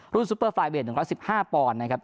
รุ่นซุปเปอร์ไฟล์เบสหนึ่งร้อนสิบห้าปอนด์นะครับ